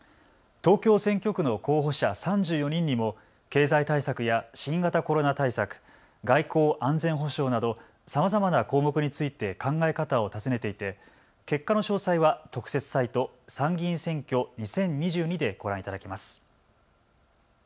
東京選挙区の候補者３４人にも経済対策や新型コロナ対策、外交・安全保障などさまざまな項目について考え方を尋ねていて結果の詳細は特設サイト、参議院選挙２０２２でご覧いただけます。